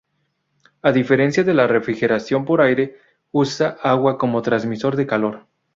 A diferencia de la refrigeración por aire, usa agua como transmisor del calor.